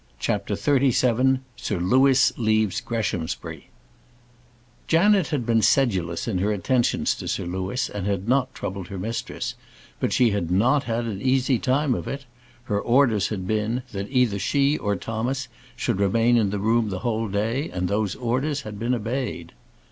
CHAPTER XXXVII Sir Louis Leaves Greshamsbury Janet had been sedulous in her attentions to Sir Louis, and had not troubled her mistress; but she had not had an easy time of it. Her orders had been, that either she or Thomas should remain in the room the whole day, and those orders had been obeyed.